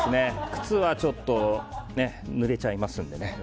靴はちょっとぬれちゃいますのでね。